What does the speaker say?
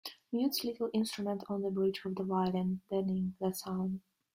Mutes little instruments on the bridge of the violin, deadening the sound.